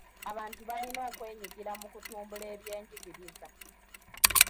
Abantu balina okwenyigira mu kutumbula ebyenjigiriza.